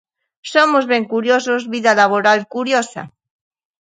Somos ben curiosos Vida laboral curiosa.